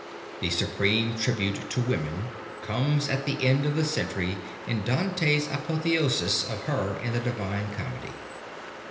The supreme tribute to woman comes at the end of the century in Dante's apotheosis of her in the Divine Comedy.